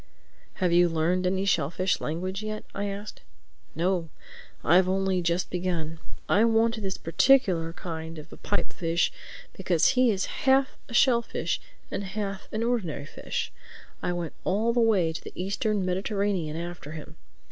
"Have you learned any shellfish language yet?" I asked. "No. I've only just begun. I wanted this particular kind of a pipe fish because he is half a shellfish and half an ordinary fish. I went all the way to the Eastern Mediterranean after him.